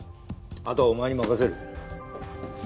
後はお前に任せる。